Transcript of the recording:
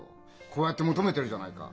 こうやって求めてるじゃないか。